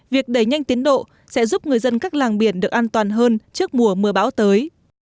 việc đẩy nhanh tiến độ sẽ giúp người dân các làng biển được an toàn hơn trước mùa mưa bão tới